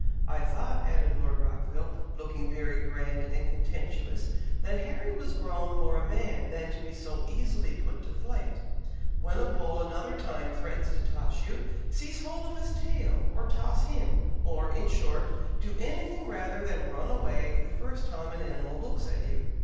"I thought," added Lord Rockville, looking very grand and contemptuous, "that Harry was grown more a man than to be so easily put to flight. When a bull, another time, threatens to toss you, seize hold of his tail, or toss him! or, in short, do anything rather than run away the first time an animal looks at you.